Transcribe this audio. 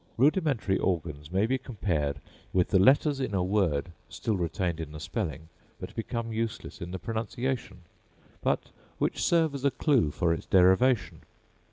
Rudimentary organs may be compared with the letters in a word, still retained in the spelling, but become useless in the pronunciation, but which serve as a clue for its derivation.